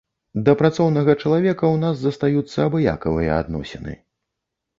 Да працоўнага чалавека ў нас застаюцца абыякавыя адносіны.